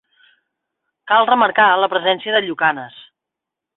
Cal remarcar la presència de llucanes.